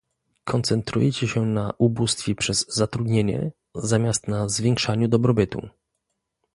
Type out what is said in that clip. Koncentrujecie się na ubóstwie przez zatrudnienie zamiast na zwiększaniu dobrobytu